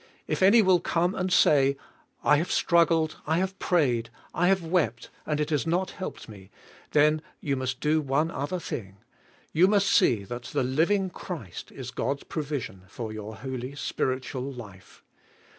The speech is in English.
If any will come and say: "I have struggled, I have prayed, I have wept, and it has not helped me," then you must do one other thing. You must see that the living Christ is God's provision ^or your holy, spiritual life.